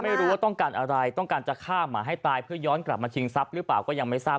ไม่รู้ว่าต้องการอะไรต้องการจะฆ่าหมาให้ตายเพื่อย้อนกลับมาชิงทรัพย์หรือเปล่าก็ยังไม่ทราบ